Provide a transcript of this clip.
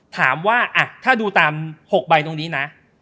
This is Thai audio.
ถามว่าถ้าดูตาม๖ใบตรงนี้นะ